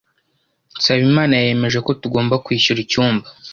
Nsabimana yemeje ko tugomba kwishyura icyumba.